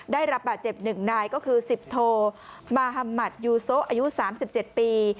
ได้รับบาดเจ็บ๑นายก็คือ๑๐โทมาฮัมมัธยูโซะอายุ๓๗ปี